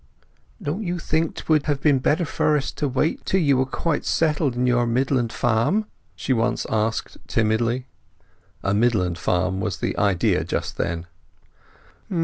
"Don't you think 'twould have been better for us to wait till you were quite settled in your midland farm?" she once asked timidly. (A midland farm was the idea just then.)